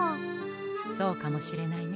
そうかもしれないね。